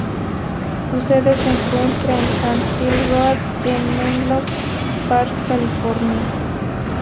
Su sede se encuentra en Sand Hill Road en Menlo Park, California.